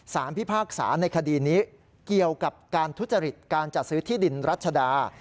พิพากษาในคดีนี้เกี่ยวกับการทุจริตการจัดซื้อที่ดินรัชดา